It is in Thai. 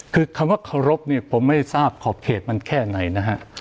คือคำว่าขอรบผมไม่ทราบขอเพจมันแค่ไหน